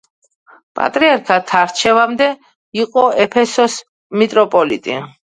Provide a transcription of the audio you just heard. პატრიარქად არჩევამდე იყო ეფესოს მიტროპოლიტი.